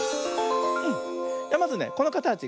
まずねこのかたち